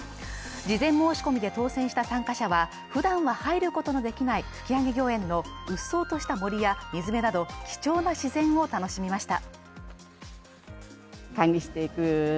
事前申し込みで当選した参加者は、ふだんは入ることのできない吹上御苑のうっそうとした森や水辺など貴重な自然を楽しみました。